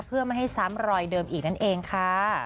เพื่อไม่ให้ซ้ำรอยเดิมอีกนั่นเองค่ะ